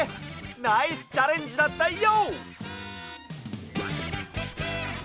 ナイスチャレンジだったＹＯ！